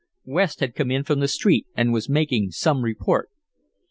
West had come in from the street and was making some report.